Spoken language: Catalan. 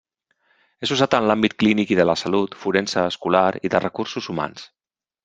És usat en àmbit clínic i de la salut, forense, escolar i de recursos humans.